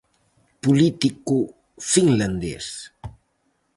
Político finlandés.